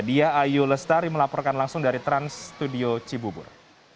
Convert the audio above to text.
dia ayu lestari melaporkan langsung dari trans studio cibubur